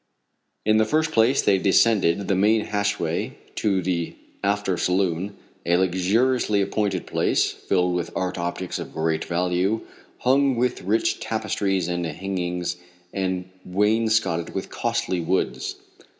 In the first place they descended the main hatchway to the after saloon a luxuriously appointed place, filled with art objects of great value, hung with rich tapestries and hangings, and wainscotted with costly woods.